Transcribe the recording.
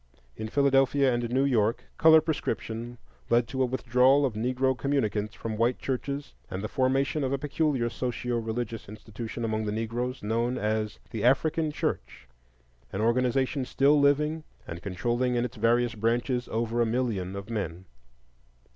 In Philadelphia and New York color prescription led to a withdrawal of Negro communicants from white churches and the formation of a peculiar socio religious institution among the Negroes known as the African Church,—an organization still living and controlling in its various branches over a million of men.